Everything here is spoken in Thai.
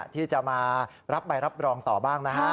ที่จะมารับใบรับรองต่อบ้างนะฮะ